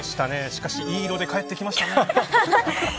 しかし、いい色で帰ってきましたね。